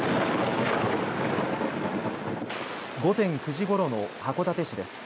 午前９時ごろの函館市です。